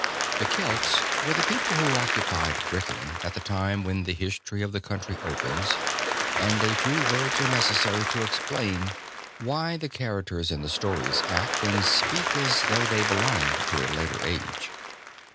The Celts were the people who occupied Britain at the time when the history of the country opens, and a few words are necessary to explain why the characters in the stories act and speak as though they belonged to a later age.